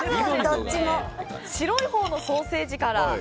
白いほうのソーセージから。